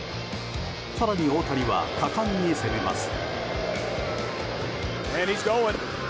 更に大谷は果敢に攻めます。